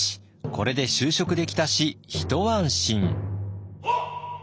これで就職できたし一安心。